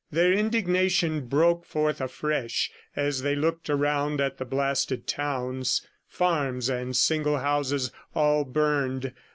... Their indignation broke forth afresh as they looked around at the blasted towns farms and single houses, all burned.